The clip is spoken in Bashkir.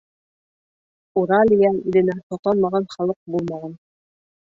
Уралиә иленә һоҡланмаған халыҡ булмаған.